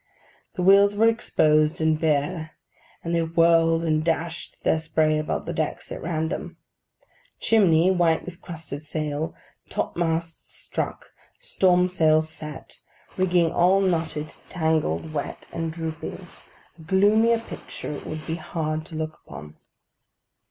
The wheels were exposed and bare; and they whirled and dashed their spray about the decks at random. Chimney, white with crusted salt; topmasts struck; storm sails set; rigging all knotted, tangled, wet, and drooping: a gloomier picture it would be hard to look upon.